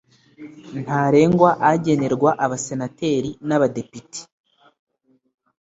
ntarengwa agenerwa Abasenateri n Abadepite